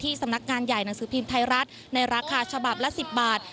สำนักงานใหญ่หนังสือพิมพ์ไทยรัฐในราคาฉบับละ๑๐บาท